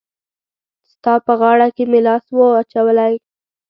ستا په غاړه کي مي لاس وو اچولی